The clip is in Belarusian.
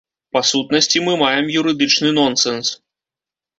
Па-сутнасці мы маем юрыдычны нонсенс.